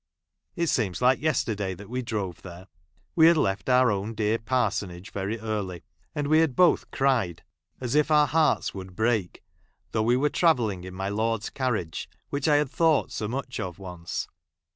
It seems like yesteraay that we drove there. "We had left our own dear parsonage very eai'ly, and we had both cried as if our hearts would break, though we were travelling in my lord's carriage, which I had thought so much of once.